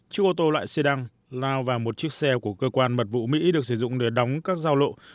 chiếc ô tô loại xe đăng lao vào một chiếc xe của cơ quan mật vụ mỹ được sử dụng để đóng các giao lộ